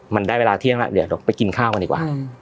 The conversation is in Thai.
มันได้เวลาเที่ยงแล้วเดี๋ยวไปกินข้าวกันดีกว่า